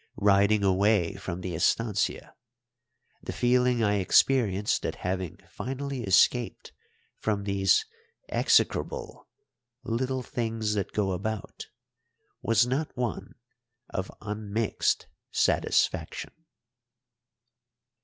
Riding away from the estancia, the feeling I experienced at having finally escaped from these execrable "little things that go about" was not one of unmixed satisfaction.